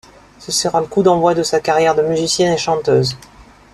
Ce sera le coup d'envoi de sa carrière de musicienne et chanteuse.